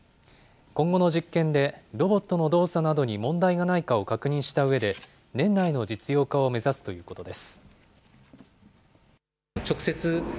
今後の実験で、ロボットの動作などに問題がないかを確認したうえで、年内の実用化を目指すということです。